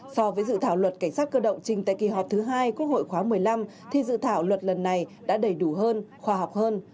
so với dự thảo luật cảnh sát cơ động trình tại kỳ họp thứ hai quốc hội khóa một mươi năm thì dự thảo luật lần này đã đầy đủ hơn khoa học hơn